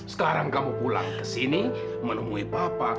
sekarang kamu pulang ke sini menemui bapak